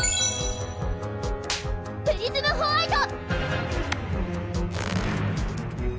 プリズムホワイト！